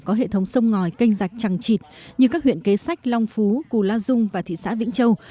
có hệ thống sông ngòi kênh rạch trằng trịt như các huyện kế sách long phú cù la dung và thị xã vĩnh châu